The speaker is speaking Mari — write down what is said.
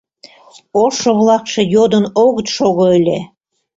Ошо-влакше йодын огыт шого ыле.